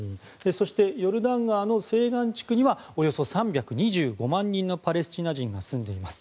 そしてヨルダン川西岸地区にはおよそ３２５万人のパレスチナ人が住んでいます。